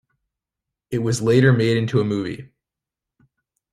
It was later made into a movie.